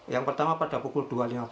yang pertama pada pukul dua lima puluh